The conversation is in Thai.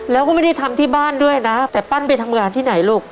แล้วก็ไม่ได้ทำที่บ้านด้วยนะแต่ปั้นไปทำงานที่ไหนลูก